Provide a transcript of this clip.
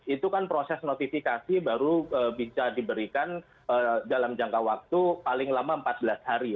itu kan proses notifikasi baru bisa diberikan dalam jangka waktu paling lama empat belas hari